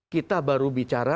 kita baru bicara